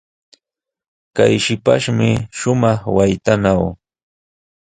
Kay shipashmi shumaq waytanaw.